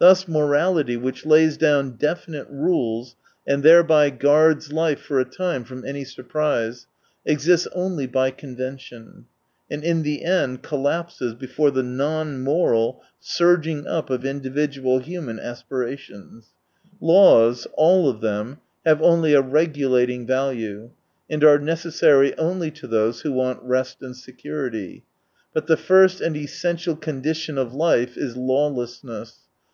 Thus morality, which lays down definite rules and thereby guards life for a time from any surprise, exists only by convention, and in the end collapses before the non moral surging up of individual human aspirations. Laws — all of them — have only a regulating value, and are neces sary only to those who want rest and security. But the first and essential con dition of life is lawlessness.